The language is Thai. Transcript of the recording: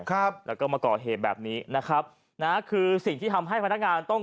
ครับแล้วก็มาก่อเหตุแบบนี้นะครับนะคือสิ่งที่ทำให้พนักงานต้อง